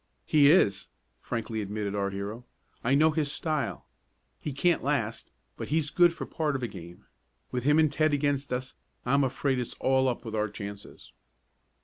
"He is," frankly admitted our hero. "I know his style. He can't last, but he's good for part of a game. With him and Ted against us I'm afraid it's all up with our chances."